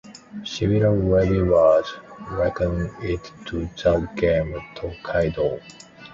Several reviewers liken it to the game Tokaido.